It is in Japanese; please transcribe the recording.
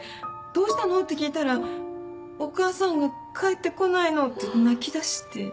「どうしたの？」って聞いたら「お母さんが帰って来ないの」って泣きだして。